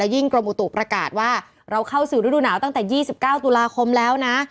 กรมอุตุประกาศว่าเราเข้าสู่ฤดูหนาวตั้งแต่๒๙ตุลาคมแล้วนะ